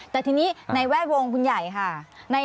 แต่ทีนี้ในแวดวงคุณใหญ่ค่ะ